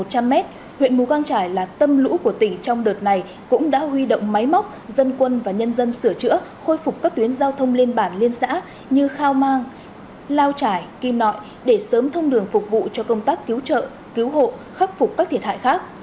huyện mù căng trải là tâm lũ của tỉnh trong đợt này cũng đã huy động máy móc dân quân và nhân dân sửa chữa khôi phục các tuyến giao thông lên bản liên xã như khao mang lao trải kim nội để sớm thông đường phục vụ cho công tác cứu trợ cứu hộ khắc phục các thiệt hại khác